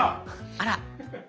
あら！